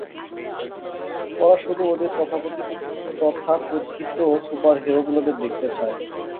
ওরা শুধু ওদের তথাকথিত সুপারহিরোগুলোকে দেখতে চায়।